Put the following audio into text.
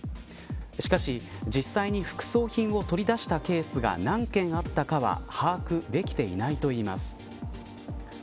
しかし実際に副葬品を取り出したケースが何件あったかは把握できていないといいます。